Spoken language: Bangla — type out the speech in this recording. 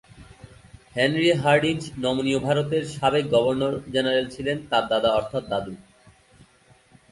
হেনরি হার্ডিঞ্জ নামীয় ভারতের সাবেক গভর্নর-জেনারেল ছিলেন তার দাদা অর্থাৎ দাদু।